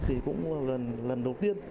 thì cũng là lần đầu tiên